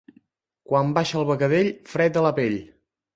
Quan baixa el becadell, fred a la pell.